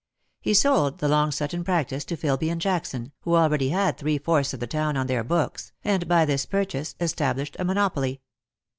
He sold the Long Sutton practice to Filbv and Lost for Love. 1 Jackson, who already had three fourths of the town on their hooks, and by this purchase established a monoply.